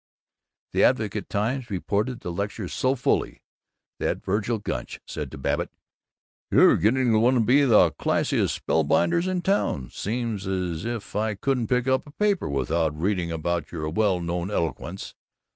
The Advocate Times reported the lecture so fully that Vergil Gunch said to Babbitt, "You're getting to be one of the classiest spellbinders in town. Seems 's if I couldn't pick up a paper without reading about your well known eloquence.